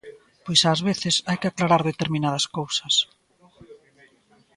Pois ás veces hai que aclarar determinadas cousas.